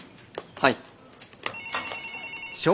はい。